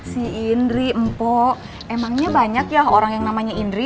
si indri mpo emangnya banyak ya orang yang namanya indri